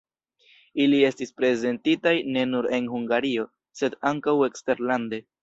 Ili estis prezentitaj ne nur en Hungario, sed ankaŭ eksterlande.